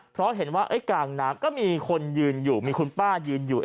เพราะเห็นว่ากลางน้ำก็มีคนยืนอยู่มีคุณป้ายืนอยู่